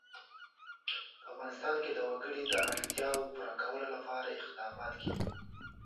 په افغانستان کې د وګړي د اړتیاوو پوره کولو لپاره اقدامات کېږي.